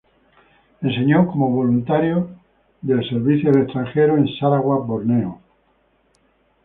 Enseñó como voluntario del "Service Abroad" en Sarawak, Borneo.